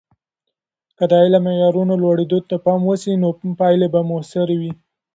که د علم د معیارونو لوړیدو ته پام وسي، نو پایلې به موثرې وي.